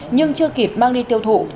nhưng chưa kịp mang đi tiêu thụ